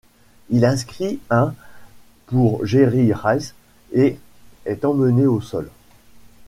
Il inscrit un ' pour Jerry Rice et est emmené au sol.